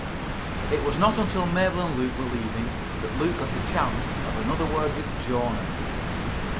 It was not until Mabel and Luke were leaving that Luke got a chance of another word with Jona.